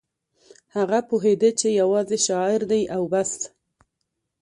هغه پوهېده چې یوازې شاعر دی او بس